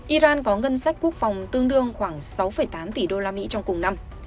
iran có ngân sách quốc phòng tương đương khoảng sáu tám tỷ usd trong cùng năm